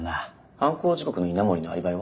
犯行時刻の稲森のアリバイは？